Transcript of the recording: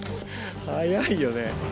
速いよね。